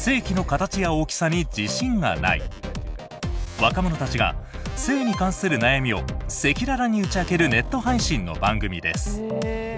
若者たちが性に関する悩みを赤裸々に打ち明けるネット配信の番組です。